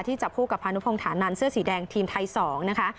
จับคู่กับพานุพงศานันเสื้อสีแดงทีมไทย๒นะคะ